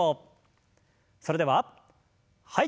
それでははい。